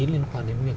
lên khoa niệm nguyện